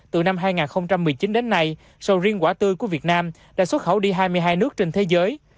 từ năm hai nghìn một mươi chín đến nay sầu riêng quả tươi của việt nam đã xuất khẩu đi hai mươi hai nước trên thế giới